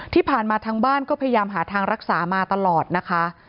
ที่ผ่านมาทางบ้านก็พยายามหาทางรักษามาตลอดนะคะ